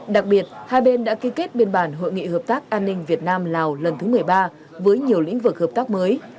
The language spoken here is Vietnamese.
đặc biệt hai bên đã ký kết biên bản hội nghị hợp tác an ninh việt nam lào lần thứ một mươi ba với nhiều lĩnh vực hợp tác mới